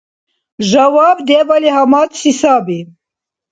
Жаваб дебали гьамадси саби.